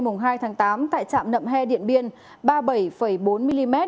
mùng hai tháng tám tại trạm nậm he điện biên ba mươi bảy bốn mm